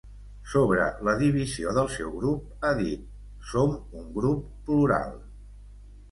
Sobre la divisió del seu grup, ha dit: Som un grup plural.